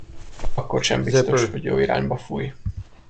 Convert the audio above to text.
Akkor sem biztos, hogy jó irányba fúj.